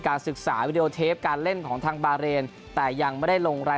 ศึกษาวิดีโอเทปการเล่นของทางบาเรนแต่ยังไม่ได้ลงราย